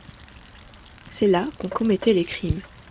C’est là qu’on commettait les crimes.